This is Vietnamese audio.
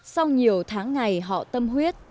sau nhiều tháng ngày họ tâm huyết